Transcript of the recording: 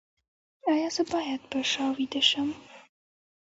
ایا زه باید په شا ویده شم؟